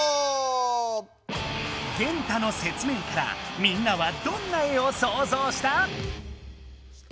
ゲンタの説明からみんなはどんな絵を想像した？